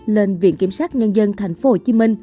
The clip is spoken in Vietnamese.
lên viện kiểm sát nhân dân tp hcm